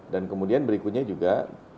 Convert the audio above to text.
dan kemudian berikutnya juga